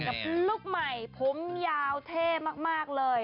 ลูกใหม่ผมยาวเท่มากเลย